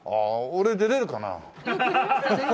俺出れるかな？